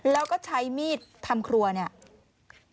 แล้วก็ใช้มีดทำครัวเนี่ย